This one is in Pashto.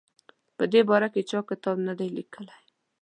په دې باره کې چا کتاب نه دی لیکلی.